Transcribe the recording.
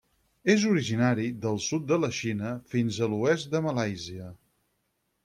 És originari del sud de la Xina fins a l'oest de Malàisia.